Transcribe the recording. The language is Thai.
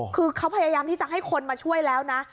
คือเขาพยายามที่จะให้คนมาช่วยแล้วนะ